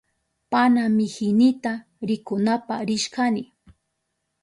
Panamihinita rikunapa rishkani.